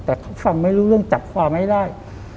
แต่เขาฟังไม่รู้เรื่องจับความไม่ได้